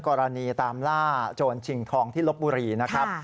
กรณีตามล่าโจรชิงทองที่ลบบุรีนะครับ